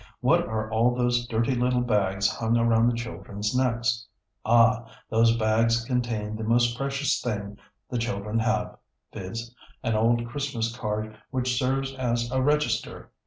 What are all those dirty little bags hung around the children's necks? Ah! those bags contain the most precious thing the children have, viz., an old Christmas card which serves as a register.